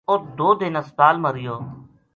اُت دو دن ہسپتال ما رہیو